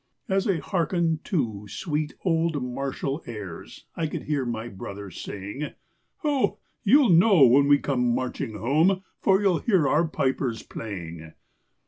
As I hearkened to sweet old martial airs I could hear my brother saying: "Ho! you'll know when we come marching home, For you'll hear our pipers playing."